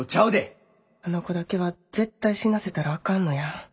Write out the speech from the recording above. あの子だけは絶対死なせたらあかんのや。